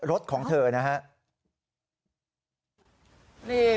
รถของเธอนะครับ